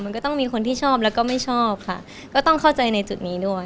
มันก็ต้องมีคนที่ชอบแล้วก็ไม่ชอบค่ะก็ต้องเข้าใจในจุดนี้ด้วย